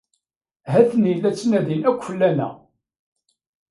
Ha-ten-i la ttnadin akk fell-aneɣ.